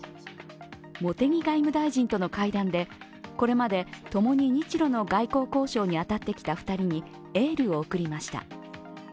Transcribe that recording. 茂木外務大臣との会談で、これまで共に日ロの外交交渉に当たってきた２人にエールを送りました。